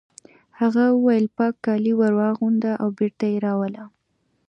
هغه وویل پاک کالي ور واغونده او بېرته یې راوله